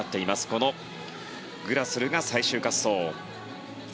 このグラスルが最終滑走。